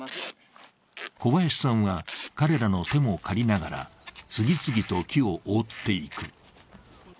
小林さんは彼らの手も借りながら次々と木を覆っていく。